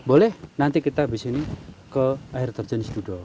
boleh nanti kita habis ini ke air terjun sidudo